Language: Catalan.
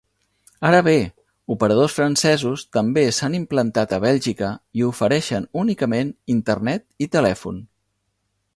Ara bé, operadors francesos també s'han implantat a Bèlgica i ofereixen únicament internet i telèfon.